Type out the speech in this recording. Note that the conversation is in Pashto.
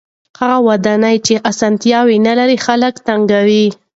هغه ودانۍ چې اسانتیاوې نلري خلک تنګوي.